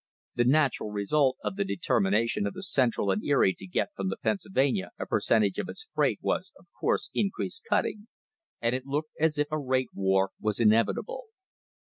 The natural result of the determination of the Central and Erie to get from the Pennsylvania a percentage of its freight was, of course, increased cutting, and it looked as if a rate war was inevitable.